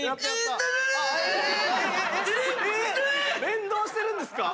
連動してるんですか？